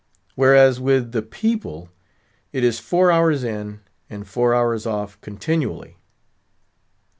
Whereas, with the people it is four hours in and four hours off continually.